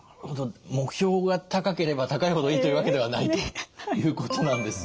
目標が高ければ高いほどいいというわけではないということなんですね。